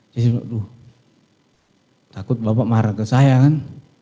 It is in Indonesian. saya cuma aduh takut bapak marah ke saya kan